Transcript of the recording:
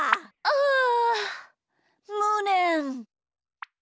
あむねん！